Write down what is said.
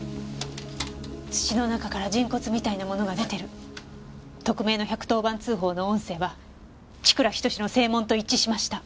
「土の中から人骨みたいなものが出てる」匿名の１１０番通報の音声は千倉仁の声紋と一致しました。